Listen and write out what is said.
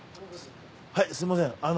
はいすみません。